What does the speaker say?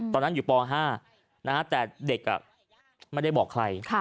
ตอนนั้นอยู่ป๕แต่เด็กไม่ได้บอกใคร